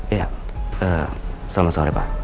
iya selamat sore pak